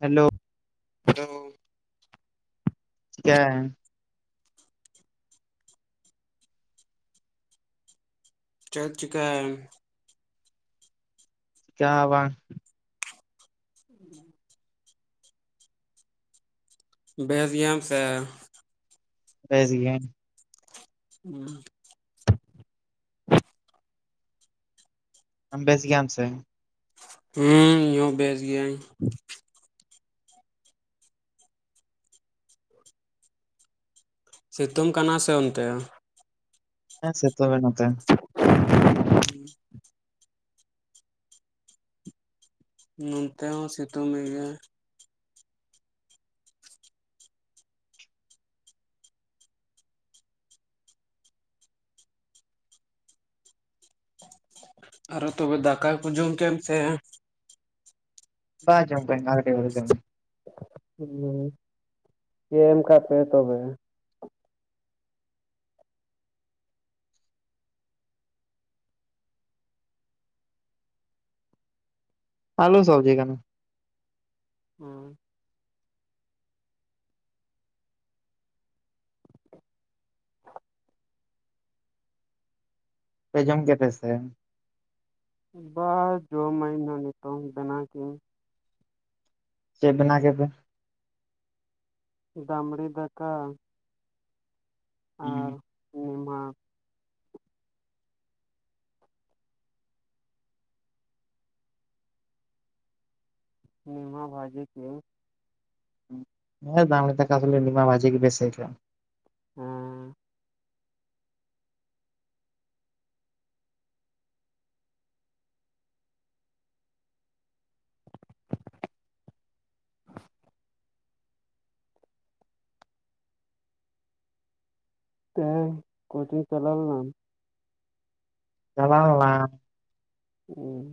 Hello [unintelligible] ᱪᱮᱠᱟ [unintelligible] ᱪᱮᱫ ᱪᱤᱠᱟᱹᱮᱱ ᱪᱮᱠᱟ ᱦᱚᱸ ᱵᱟᱝ [inaudible] [unintelligible] ᱥᱮ ᱵᱮᱥᱜᱤᱭᱟᱹᱧ᱾ [unintelligible] ᱟᱢ ᱵᱮᱥ ᱜᱮᱭᱟᱢ ᱥᱮ ᱦᱮᱸ ᱤᱧᱦᱚᱸ ᱵᱮᱥ ᱜᱤᱭᱟᱹᱧ ᱥᱤᱛᱩᱝ ᱠᱟᱱᱟ ᱥᱮ ᱚᱱᱛᱮ ᱦᱮᱸ ᱥᱤᱛᱩᱝ ᱱᱚᱛᱮ ᱱᱚᱱᱛᱮ ᱦᱚᱸ ᱥᱤᱛᱩᱝ ᱮ ᱜᱮᱭᱟ ᱟᱨᱚ ᱛᱚᱵᱮ ᱫᱟᱠᱟ ᱠᱚ ᱡᱚᱢ ᱠᱮ ᱟᱢ ᱥᱮ ᱵᱟ ᱡᱚᱢ ᱫᱟᱹᱧ ᱟᱨ [unintelligible] ᱦᱮᱸ ᱮᱢ ᱠ ᱯᱮ ᱛᱚᱵᱮ ᱟᱞᱩ ᱥᱚᱵᱽᱡᱤ ᱠᱟᱱᱟ ᱯᱮ ᱡᱚᱢ ᱠᱮᱫ [unintelligible] ᱥᱮ [unintelligible] ᱱᱤᱛᱳ ᱵᱮᱱᱟᱣ ᱠᱤᱱ ᱪᱮᱫ ᱵᱮᱱᱟᱣ ᱠᱮᱫ ᱯᱮ ᱫᱟᱢᱲᱤ ᱫᱟᱠᱟ ᱦᱚᱸ ᱢᱟ ᱱᱤᱢᱟ ᱵᱷᱟᱡᱤ [unintelligible] ᱦᱮᱸ ᱫᱟᱢ ᱞᱮᱠᱟ ᱪᱟᱥ ᱞᱮᱱ ᱜᱮᱢᱟ ᱵᱷᱟᱡᱮ ᱜᱮ ᱵᱮᱥ ᱤᱠᱟᱹᱼᱟ ᱦᱮᱸᱻ ᱛᱮᱦᱮᱧ ᱠᱳᱪᱤᱝ ᱪᱟᱞᱟᱣ ᱞᱮᱱᱟᱢ ᱪᱟᱞᱟᱣ ᱞᱮᱱᱟᱹᱧ᱾ ᱦᱮᱸ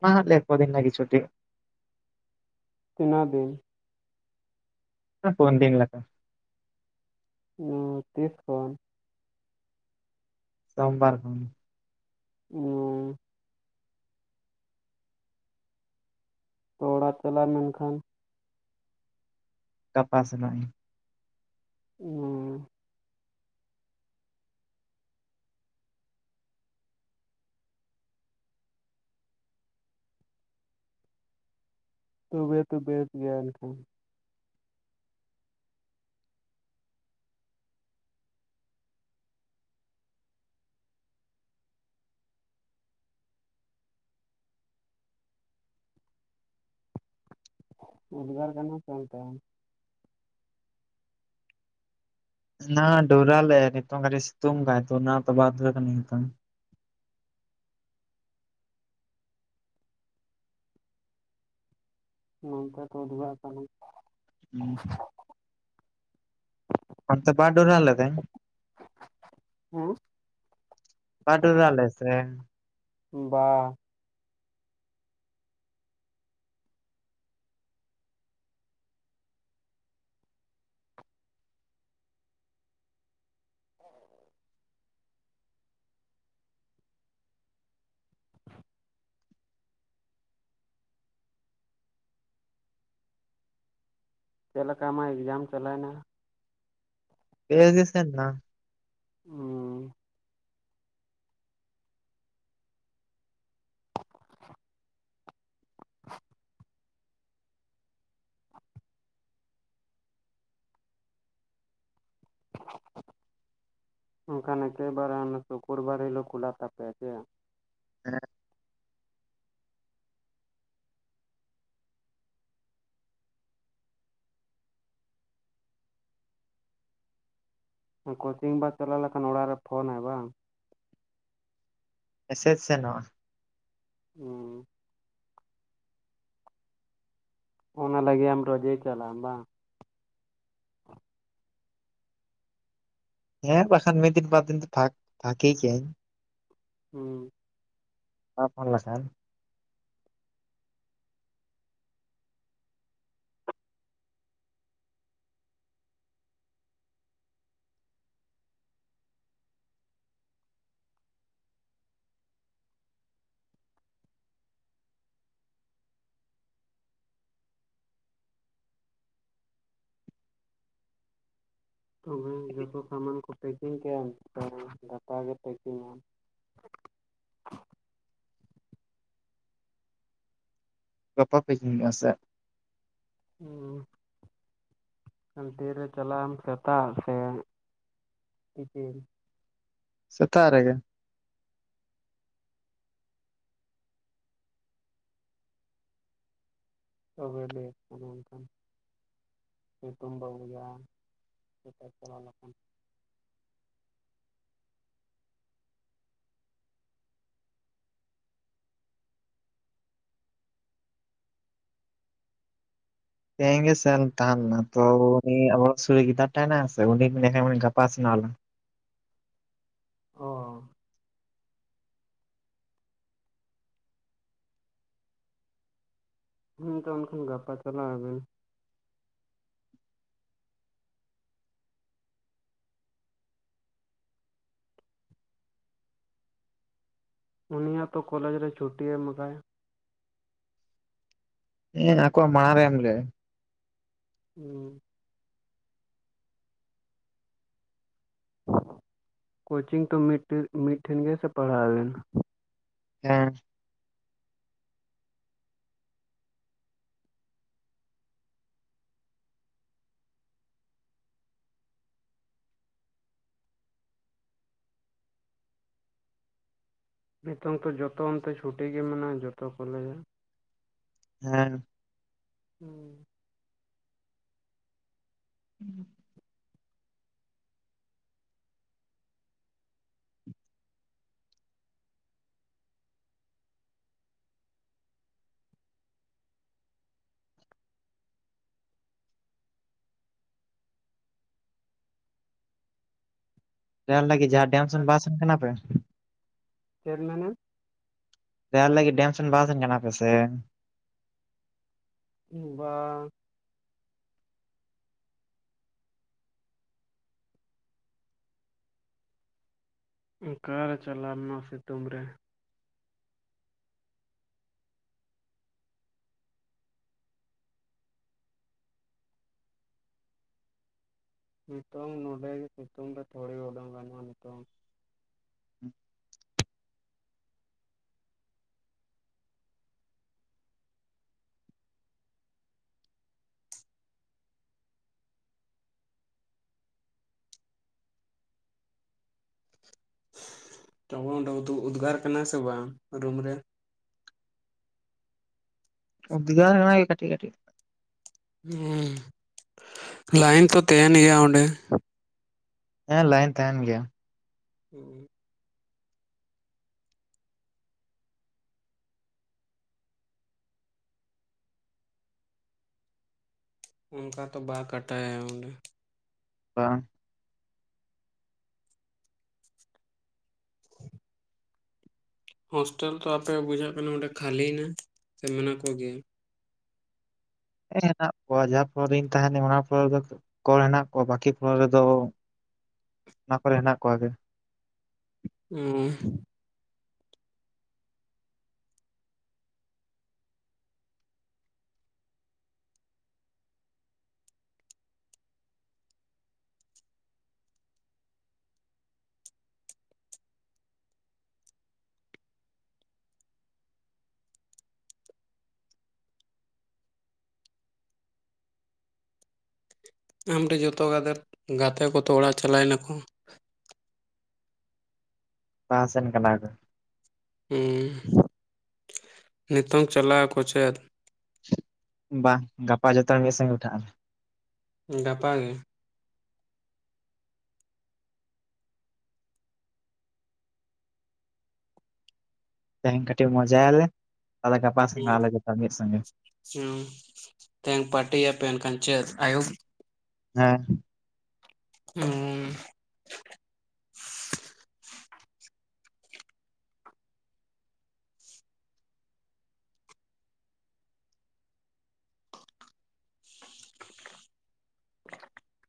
ᱱᱟᱦᱟᱸᱜ ᱞᱮ ᱠᱚ ᱫᱤᱱ ᱞᱟᱹᱜᱤᱫ ᱪᱷᱩᱴᱤ ᱛᱤᱱᱟᱹᱜ ᱫᱤᱱ ᱦᱮᱸ ᱯᱳᱱ ᱫᱤᱱ ᱞᱮᱠᱟ ᱦᱚᱸ ᱛᱤᱥ ᱠᱷᱚᱱ ᱥᱳᱢᱵᱟᱨ ᱠᱷᱚᱱ ᱦᱢᱢ [inaudible] ᱛᱚ ᱚᱲᱟᱜ ᱪᱟᱞᱟᱜ ᱞᱮᱱᱠᱷᱟᱱ ᱜᱟᱯᱟ ᱥᱮᱱᱚᱜ ᱤᱧ [inaudible] ᱚᱢᱢ [inaudible] ᱛᱚᱵᱮ ᱛᱚᱵᱮᱫ ᱜᱮᱭᱟ ᱮᱱᱠᱷᱟᱱ ᱩᱫᱜᱟᱹᱨ ᱠᱟᱱᱟ ᱥᱮ ᱚᱱᱛᱮ ᱦᱚᱸ ᱮᱱᱟᱝ ᱰᱩᱨᱩᱜ ᱞᱮᱜ-ᱟ ᱱᱤᱛᱚᱜ ᱥᱤᱛᱩᱝ ᱮᱫᱟ ᱚᱱᱟᱛᱮ ᱵᱟᱫ ᱦᱮᱡ ᱟᱡᱟᱱᱟ ᱱᱤᱛᱚᱝ [inaudible] ᱱᱚᱛᱮ ᱫᱚ ᱩᱫᱜᱟᱹᱨ ᱠᱟᱱᱟ ᱦᱮᱸ [inaudible] ᱚᱱᱛᱮ ᱵᱟ ᱰᱚᱨᱟ ᱞᱮᱫᱟᱭ ᱦᱮᱸ [unintelligible] ᱯᱟᱴᱩ ᱪᱞᱮ ᱥᱮ ᱵᱟ [unintelligible] ᱦ ᱪᱮᱫ ᱞᱮᱠᱟ ᱟᱢᱟᱜ ᱮᱠᱡᱟᱢ ᱪᱟᱞᱟᱣ ᱮᱱᱟ ᱵᱮᱥ ᱜᱮ ᱥᱮᱱ ᱮᱱᱟ ᱦᱚᱸ [inaudible] ᱚᱱᱠᱟᱱ ᱮᱠᱮᱱ ᱥᱩᱠᱩᱨ ᱵᱟᱨ ᱦᱤᱞᱚᱜ ᱠᱷᱩᱞᱟᱜ ᱛᱟᱯᱮᱭᱟ ᱥᱮ ᱦᱮᱸ ᱠᱳᱪᱤᱝ ᱵᱟ ᱪᱟᱞᱟᱣ ᱞᱮᱠᱷᱟᱱ ᱚᱲᱟᱜ ᱨᱮ ᱯᱷᱳᱱᱟᱭ ᱵᱟᱝ ᱮᱥᱮᱫ ᱥᱮᱱᱚᱜᱼᱟ ᱦᱩᱸ ᱚᱱᱟ ᱞᱟᱹᱜᱤᱫ ᱟᱢ ᱨᱚᱡᱮ ᱪᱟᱞᱟᱜᱼᱟ ᱵᱟᱝ ᱦᱮᱸ ᱵᱟᱠᱷᱟᱱ ᱢᱤᱫ ᱫᱤᱱ ᱵᱟᱨ ᱫᱤᱱ ᱫᱚ ᱵᱷᱟᱠᱵᱷᱟᱜᱮ ᱜᱮᱭᱟᱭ ᱦᱮᱸ ᱵᱟᱝ ᱯᱷᱳᱱ ᱞᱮᱠᱷᱟᱱ ᱛᱚᱵᱮ ᱡᱚᱛᱚ ᱥᱟᱢᱟᱱ ᱠᱚ ᱯᱮᱠᱤᱝ ᱠᱮᱫᱼᱟᱮ ᱜᱟᱯᱟᱜ ᱜᱮ ᱯᱮᱠᱤᱝ ᱟᱢ [inaudible] ᱜᱟᱯᱟ ᱯᱮ ᱡᱤᱧᱟ ᱥᱮ ᱦᱮᱸ ᱦᱟᱱᱴᱤ ᱨᱮ ᱪᱟᱞᱟᱣ ᱟᱢ ᱥᱮᱛᱟᱜ ᱥᱮ ᱛᱤᱠᱤᱱ ᱥᱮᱛᱟᱜ ᱨᱮᱜᱮ ᱛᱚᱵᱮ ᱡᱮ ᱚᱱᱠᱷᱟᱱ [inaudible] ᱧᱩᱛᱩᱢ ᱵᱟ ᱵᱩᱡᱟ ᱡᱚᱛ ᱪᱟᱞᱟᱣ ᱞᱮᱠᱷᱟᱱ ᱛᱮᱦᱮᱧ ᱜᱮ ᱥᱮᱱ ᱛᱟᱦᱮᱱ ᱢᱮ ᱛᱚ ᱩᱱᱤ ᱟᱵᱚ ᱚᱲᱟᱝ ᱥᱩᱨ ᱨᱮ ᱜᱤᱫᱟᱹᱨ ᱴᱟ ᱢᱮᱱᱟᱭᱟ ᱥᱮ ᱩᱱᱤ ᱜᱟᱯᱟ ᱥᱮᱱᱚᱜ ᱟᱭ ᱦᱮᱞᱳ ᱚ ᱦᱸ ᱛᱚ ᱮᱠᱷᱟᱱ ᱜᱟᱯᱟ ᱪᱟᱞᱟᱣ ᱟᱵᱮᱱ ᱩᱱᱟᱜᱛᱚ ᱠᱚᱞᱮᱡᱽ ᱨᱮ ᱪᱷᱩᱴᱤ ᱮᱢ ᱠᱟᱭ ᱦᱮᱸ ᱟᱠᱚᱣᱟᱜ ᱢᱟᱲᱟᱝ ᱨᱮᱢ ᱞᱟᱹᱭ ᱦᱮᱸ ᱠᱳᱪᱤᱝ ᱛᱚ ᱢᱤᱫ ᱴᱷᱮᱱ ᱜᱮᱥᱮ ᱯᱟᱲᱦᱟᱣ ᱟᱵᱮᱱ ᱦᱮᱸ ᱱᱤᱛᱚᱝ ᱛᱚ ᱡᱚᱛᱚ ᱚᱱᱛᱮ ᱪᱷᱩᱴᱤ ᱜᱮ ᱢᱮᱱᱟᱜᱼᱟ ᱡᱚᱛᱚ ᱠᱚᱞᱮᱡᱽ ᱦᱮᱸ ᱦᱮᱸ [inaudible] ᱦᱮᱸ [inaudible] ᱨᱮᱭᱟᱲ ᱞᱟᱹᱜᱤᱫ ᱡᱟᱦᱟᱸ ᱰᱮᱢ ᱥᱮᱱ ᱵᱟᱝ ᱥᱮᱱ ᱟᱠᱟᱱᱟ ᱯᱮ ᱪᱮᱫ ᱢᱮᱱᱟᱢ ᱨᱮᱭᱟᱲ ᱞᱟᱹᱜᱤᱫ ᱰᱮᱢ ᱥᱮᱱ ᱵᱟᱝ ᱥᱮᱱ ᱠᱟᱱᱟ ᱯᱮᱥᱮ ᱵᱟᱝ ᱚᱠᱟᱨᱮ ᱪᱟᱞᱟᱣᱱᱟ ᱥᱤᱛᱩᱝ ᱨᱮ ᱱᱤᱛᱚᱝ ᱱᱚᱰᱮ ᱥᱤᱛᱩᱝ ᱫᱚ ᱛᱷᱚᱲᱤ ᱩᱰᱩᱝ ᱜᱟᱱᱚᱜᱼᱟ᱾ ᱱᱤᱛᱚᱝ ᱴᱚᱵᱚᱱ ᱫᱚ ᱩᱫᱽᱜᱟᱨ ᱠᱟᱱᱟ ᱥᱮ ᱵᱟᱝ ᱨᱩᱢ ᱨᱮ ᱚᱫᱜᱟᱭ ᱚᱭ ᱠᱟᱹᱴᱤᱡ - ᱠᱟᱹᱴᱤᱡ ᱦᱩᱸ! ᱞᱟᱭᱤᱱ ᱛᱚ ᱛᱟᱦᱮᱱ ᱜᱮᱭᱟ ᱚᱰᱮ᱾ ᱦᱮᱸ ᱞᱟᱭᱤᱱ ᱛᱟᱦᱮᱱ ᱜᱮᱭᱟ᱾ ᱦᱩᱸ ᱚᱱᱠᱟ ᱛᱚ ᱵᱟᱝ ᱠᱟᱴᱟᱭ ᱚᱱᱰᱮ ᱵᱟᱝ ᱦᱚᱳᱥᱴᱮᱞ ᱛᱚ ᱟᱯᱮ ᱵᱩᱡᱷᱟᱹᱜ ᱠᱟᱱᱟ ᱚᱸᱰᱮ ᱠᱷᱟᱹᱞᱤᱭᱮᱱᱟ ᱥᱮ ᱢᱮᱱᱟᱜ ᱠᱚᱜᱮᱭᱟ᱾ ᱦᱮᱸ ᱦᱮᱱᱟᱜ ᱠᱚᱣᱟ ᱡᱟᱦᱟᱸ ᱯᱷᱚᱨᱤᱧ ᱛᱟᱸᱦᱮᱱᱟ ᱚᱱᱟ ᱯᱚᱨ ᱨᱮᱫᱚ ᱠᱚᱞ ᱦᱮᱱᱟᱜ ᱠᱚᱣᱟ ᱵᱠᱤ ᱯᱷᱚᱱ ᱨᱮᱫᱚ ᱚᱱᱟ ᱠᱚᱨᱮ ᱦᱮᱱᱟᱜ ᱠᱚᱣᱟ ᱜᱮ ᱦᱩᱸ ᱟᱢᱨᱮ ᱡᱚᱛᱚ ᱜᱟᱛ ᱜᱟᱛᱮ ᱠᱚᱛᱚ ᱚᱲᱟ ᱪᱟᱞᱟᱣ ᱱᱟᱠᱚ ᱵᱟ ᱥᱮᱱ ᱠᱟᱱᱟ ᱠᱚ ᱦᱩᱸ ᱱᱤᱛᱚᱝ ᱪᱟᱞᱟᱜ ᱟᱠᱚ ᱪᱮᱫ? ᱵᱟᱝ! ᱜᱟᱯᱟ ᱡᱚᱛᱚ ᱢᱤᱫ ᱥᱚᱜᱮ ᱩᱴᱷᱟᱹᱜ ᱟᱞᱮ᱾ ᱜᱟᱯᱟ ᱜᱮ? ᱛᱮᱦᱮᱧ ᱠᱟᱹᱴᱤᱡ ᱢᱚᱡᱟᱭ ᱟᱞᱮ᱾ ᱦᱩᱸ ᱡᱚᱛᱚ ᱦᱚᱲ ᱢᱤᱫ ᱥᱚᱸᱜᱮ ᱧᱚ ᱛᱮᱦᱮᱧ ᱯᱟᱴᱤᱭᱟᱯᱮ᱾ ᱮᱱᱠᱷᱟᱱ ᱪᱮᱫ? ᱟᱭᱳᱯ ᱦᱮᱸ ᱦᱩ‌ᱸ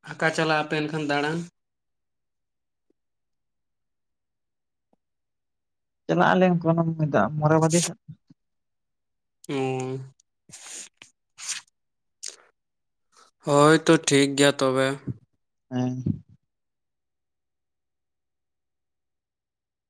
ᱟᱸᱠᱟ ᱪᱟᱞᱟ ᱟᱯᱮ ᱮᱱ ᱠᱷᱟᱱ ᱫᱟᱬᱟᱱ? ᱪᱟᱞᱟᱼᱜ ᱟᱞᱮ ᱵᱚᱨᱚ ᱵᱟᱡᱮ ᱥᱮ ᱦᱩᱸ ᱦᱳᱭ ᱛᱚ ᱴᱷᱤᱠ ᱜᱮᱭᱟ ᱛᱚᱵᱮ ᱦᱮᱸ